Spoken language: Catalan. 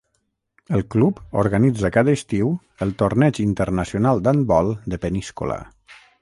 El club organitza cada estiu el Torneig Internacional d'Handbol de Peníscola.